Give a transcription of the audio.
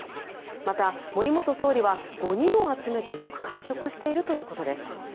また、森元総理は５人を集めてよく会食をしているということです。